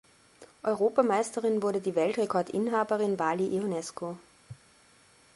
Europameisterin wurde die Weltrekordinhaberin Vali Ionescu.